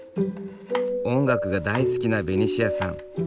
音楽が大好きなベニシアさん。